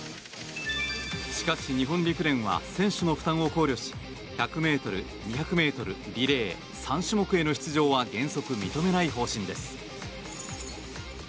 しかし、日本陸連は選手の負担を考慮し１００ｍ、２００ｍリレー、３種目への出場は原則認めない方針です。